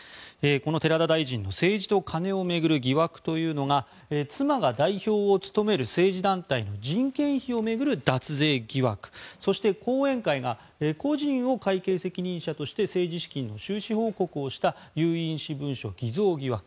この寺田大臣の政治と金を巡る疑惑というのが妻が代表を務める政治団体の人件費を巡る脱税疑惑そして、後援会が故人を会計責任者として政治資金の収支報告をした有印私文書偽造疑惑。